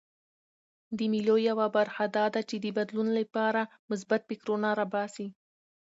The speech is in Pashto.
د مېلو یوه موخه دا ده، چي د بدلون له پاره مثبت فکرونه راباسي.